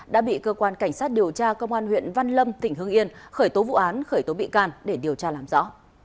đã bị cơ quan cảnh sát điều tra công an huyện văn lâm tỉnh hương yên khởi tố vụ án khởi tố bị can để điều tra làm rõ